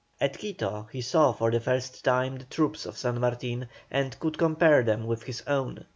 At Quito he saw for the first time the troops of San Martin, and could compare them with his own.